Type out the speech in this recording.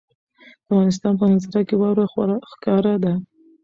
د افغانستان په منظره کې واوره خورا ښکاره ده.